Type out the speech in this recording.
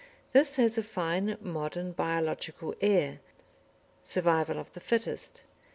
This has a fine, modern, biological air ("Survival of the Fittest").